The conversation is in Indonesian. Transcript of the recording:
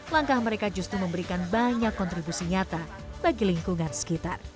langkah mereka justru memberikan banyak kontribusi nyata bagi lingkungan sekitar